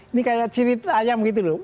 ini kayak cerita ayam gitu loh